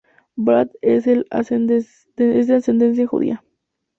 Brad es de ascendencia judía.